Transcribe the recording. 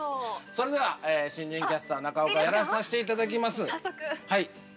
◆それでは新人キャスター中岡やらさせていただきます。